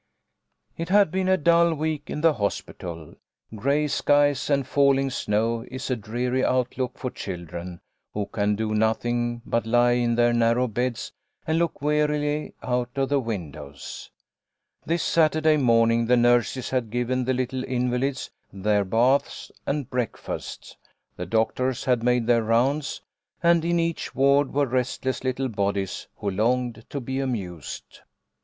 It had been a dull week in the hospital. Gray skies and falling snow is a dreary outlook for children who can do nothing but lie in their narrow beds and look wearily out of the windows. This Saturday 206 THE LITTLE COLONEL'S HOLIDAYS. morning the nurses had given the little invalids their baths and breakfasts, the doctors had made their rounds, and in each ward were restless little bodies who longed to be amused.